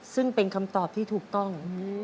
ซึ่งเป็นคำตอบที่ถูกต้อง